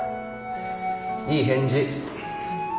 いい返事。